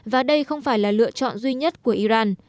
và đây không phải là lựa chọn duy nhất của iran